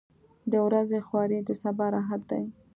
• د ورځې خواري د سبا راحت دی.